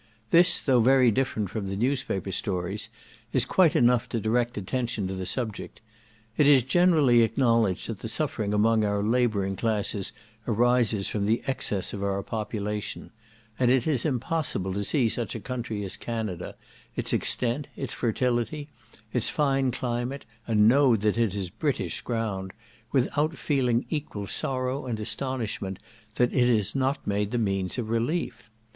This, though very different from the newspaper stories, is quite enough to direct attention to the subject. It is generally acknowledged that the suffering among our labouring classes arises from the excess of our population; and it is impossible to see such a country as Canada, its extent, its fertility, its fine climate, and know that it is British ground, without feeling equal sorrow and astonishment that it is not made the means of relief.